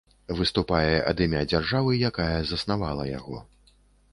Выступае ад імя дзяржавы, якая заснавала яго.